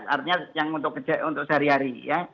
artinya yang untuk sehari hari ya